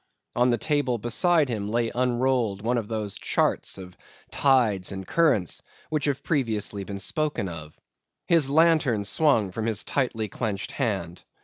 On the table beside him lay unrolled one of those charts of tides and currents which have previously been spoken of. His lantern swung from his tightly clenched hand.